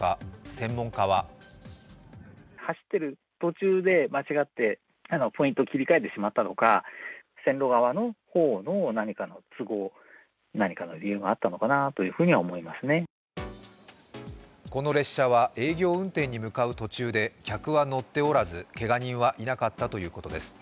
専門家はこの列車は営業運転に向かう途中で客は乗っておらず、けが人はいなかったということです。